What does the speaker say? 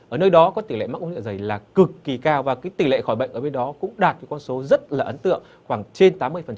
ở nơi đó có tỷ lệ mắc ung thư dạ dày là cực kỳ cao và tỷ lệ khỏi bệnh ở bên đó cũng đạt con số rất là ấn tượng khoảng trên tám mươi